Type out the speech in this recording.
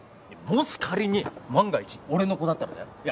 もし仮に万が一俺の子だったらだよ？